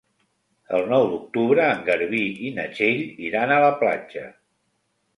El nou d'octubre en Garbí i na Txell iran a la platja.